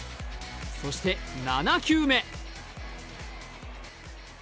そして７球目。